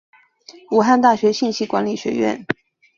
武汉大学信息管理学院